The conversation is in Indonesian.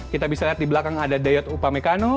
kita bisa lihat di belakang ada dayot upamekano